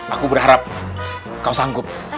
aku berharap kau sanggup